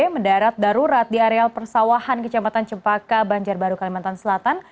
mendarat darurat di areal persawahan kecamatan cempaka banjarbaru kalimantan selatan